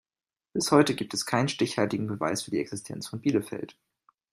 Bis heute gibt es keinen stichhaltigen Beweis für die Existenz von Bielefeld.